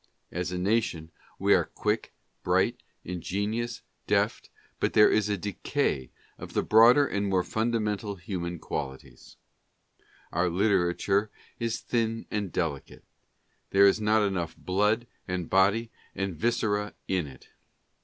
As a nation, we are quick, bright, ingenious, deft, but there is a decay of the broader and mere fundamental human qualities. We lack mass, inertia, and therefore, power. Our literature is thin and delicate. There is not enough blood, and body, "and viscera in it.